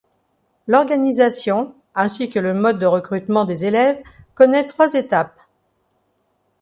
L'organisation ainsi que le mode de recrutement des élèves connaît trois étapes.